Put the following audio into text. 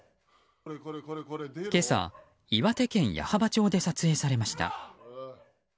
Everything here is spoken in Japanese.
今朝、岩手県矢巾町で撮影されました。